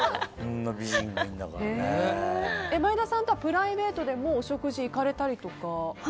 前田さんとはプライベートでもお食事に行かれたりとかは？